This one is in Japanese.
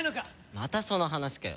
またその話かよ。